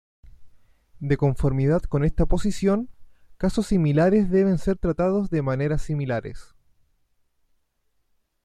De conformidad con esta posición, casos similares deben ser tratados de maneras similares.